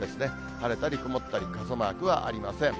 晴れたり曇ったり、傘マークはありません。